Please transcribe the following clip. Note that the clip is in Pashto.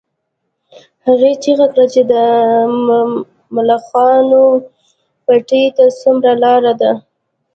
هغې چیغه کړه چې د ملخانو پټي ته څومره لار ده